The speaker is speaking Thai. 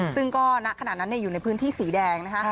ซึ่งก็ณขณะนั้นอยู่ในพื้นที่สีแดงนะคะ